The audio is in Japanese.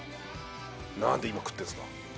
何で今食ってんすか。